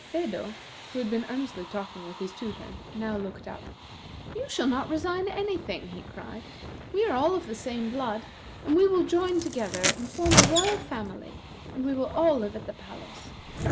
Phedo, who had been earnestly talking with his tutor, now looked up. "You shall not resign any thing!" he cried. "We are all of the same blood, and we will join together and form a royal family, and we will all live at the palace.